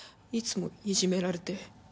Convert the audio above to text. いつもいじめられて。